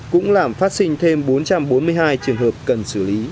cũng làm phát sinh thêm bốn trăm bốn mươi hai trường hợp cần xử lý